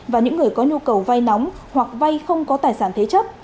và những người có nhu cầu vay nóng hoặc vay không có tài sản thế chấp